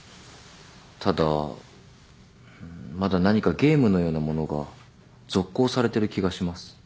ただまだ何かゲームのようなものが続行されてる気がします。